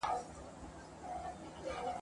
شمع ده چي مړه سي رڼا نه لري !.